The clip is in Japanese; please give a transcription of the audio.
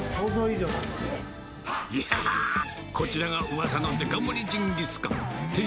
いやー、こちらがうわさのデカ盛りジンギスカン。